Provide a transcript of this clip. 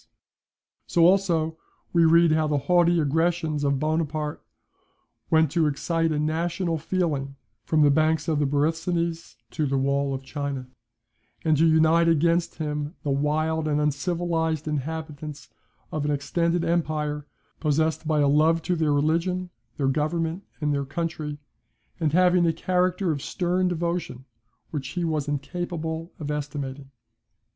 [Alison.] So, also, we read how the haughty aggressions of Bonaparte "went to excite a national feeling, from the banks of the Borysthenes to the wall of China, and to unite against him the wild and uncivilized inhabitants of an extended empire, possessed by a love to their religion, their government, and their country, and having a character of stern devotion, which he was incapable of estimating."